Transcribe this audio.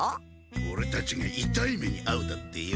オレたちがいたい目にあうだってよ！